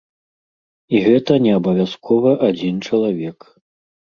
І гэта не абавязкова адзін чалавек.